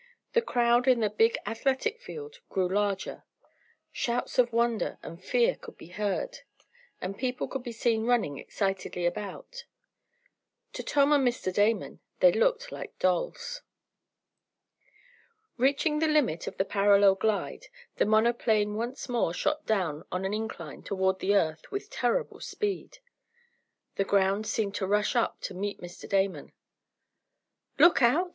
The crowd in the big athletic field grew larger. Shouts of wonder and fear could be heard, and people could be seen running excitedly about. To Tom and Mr. Damon they looked like dolls. Reaching the limit of the parallel glide the monoplane once more shot down on an incline toward the earth with terrible speed. The ground seemed to rush up to meet Mr. Damon. "Look out!"